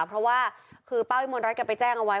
เพราะว่าคือป้าวิมลรัฐแกไปแจ้งเอาไว้